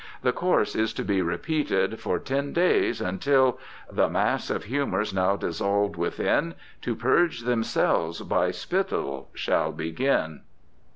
The course is to be repeated for ten days until The mass of humours now dissolved within, To purge themselves by spittle shall begin.